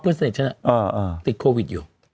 เพื่อนสนิทฉันน่ะติดโควิดอยู่